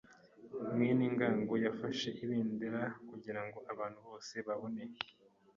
mwene ngango yafashe ibendera kugirango abantu bose babone.